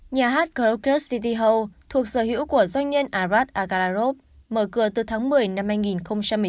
nhà hát korkus tithiho thuộc sở hữu của doanh nhân arad agarov mở cửa từ tháng một mươi năm hai nghìn một mươi chín